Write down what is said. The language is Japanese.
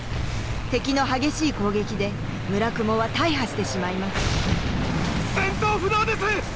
敵の激しい攻撃で叢雲は大破してしまいます戦闘不能です！